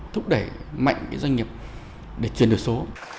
thúc đẩy mạnh cái doanh nghiệp để truyền được số